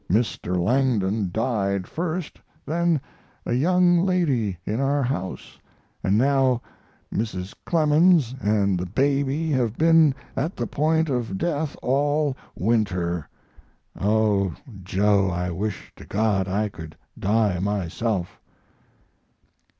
Mr. Langdon died first, then a young lady in our house, and now Mrs. Clemens and the baby have been at the point of death all winter! Oh, Joe, I wish to God I could die myself!"